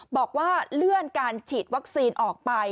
บอกว่าเลื่อนการฉีดวัคซีนออกไป